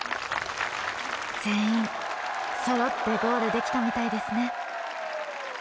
全員そろってゴールできたみたいですね。